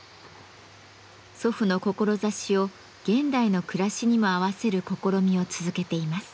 祖父の志を現代の暮らしにも合わせる試みを続けています。